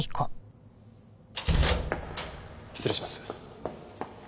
失礼します。